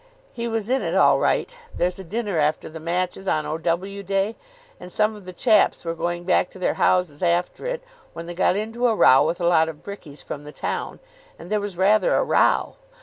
He was in it all right. There's a dinner after the matches on O.W. day, and some of the chaps were going back to their houses after it when they got into a row with a lot of brickies from the town, and there was rather a row.